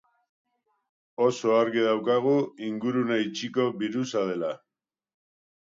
Oso argi daukagu ingurune itxiko birusa dela.